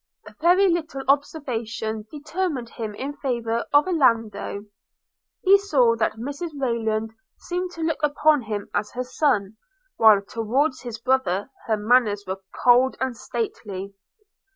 A very little observation determined him in favour of Orlando. He saw that Mrs Rayland seemed to look upon him as her son, while towards his brother her manners were cold and stately.